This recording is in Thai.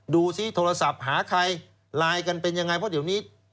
ดูซิโทรศัพท์หาใครไลน์กันเป็นยังไงเพราะเดี๋ยวนี้